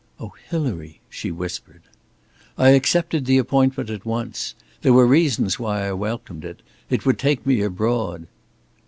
"Oh, Hilary!" she whispered. "I accepted the appointment at once. There were reasons why I welcomed it. It would take me abroad!"